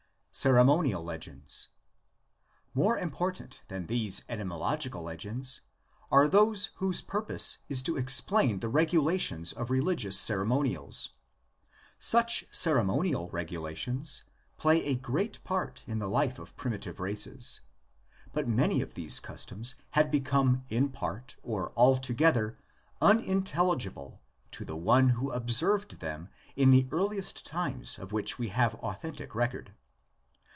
CEREMONIAL LEGENDS. More important than these etymological legends are those whose purpose is to explain the regula tions of religious ceremonials. Such ceremonial regulations play a great part in the life of primitive races, but many of these customs had become in part or altogether unintelligible to the one who observed them in the earliest times of which we have authentic record.